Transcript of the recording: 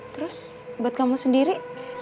terus buat kamu sendiri